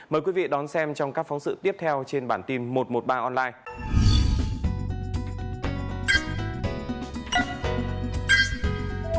mời quý vị đón xem trong các phóng sự tiếp theo trên bản tin một trăm một mươi ba online